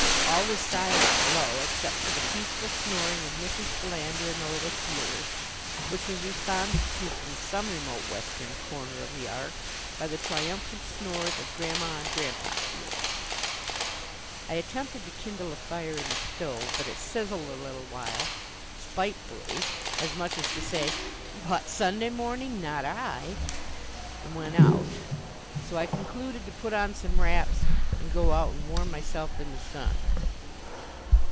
All was silent below, except for the peaceful snoring of Mrs. Philander and the little Keelers, which was responded to from some remote western corner of the Ark by the triumphant snores of Grandma and Grandpa Keeler. I attempted to kindle a fire in the stove, but it sizzled a little while, spitefully, as much as to say, "What, Sunday morning? Not I!" and went out. So I concluded to put on some wraps and go out and warm myself in the sun.